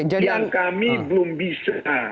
yang kami belum bisa